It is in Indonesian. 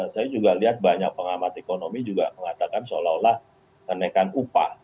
saya juga lihat banyak pengamat ekonomi juga mengatakan seolah olah kenaikan upah